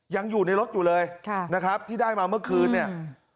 ยังอยู่ในรถอยู่เลยนะครับที่ได้มาเมื่อคืนเนี่ย